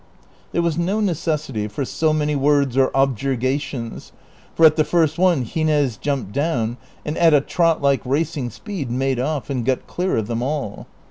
There was no necessity for so many words or objurgations, for at the first one Gines jumped down, and at a trot like racing speed made off and got clear of them all.